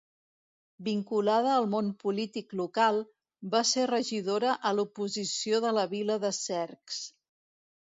Vinculada al món polític local, va ser regidora a l'oposició de la vila de Cercs.